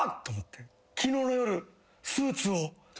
昨日の夜。